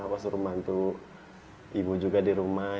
sudah bisa bantu ibu juga di rumah